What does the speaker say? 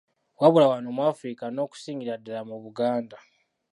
Wabula, wano mu Afirika n'okusingira ddala mu Buganda.